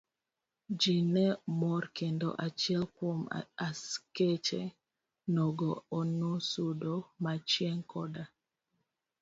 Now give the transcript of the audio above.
Ji ne mor kendo achiel kuom askeche nogo nosudo machiegni koda.